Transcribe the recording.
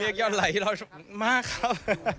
เรียกยอดไหล่ที่เรามากครับ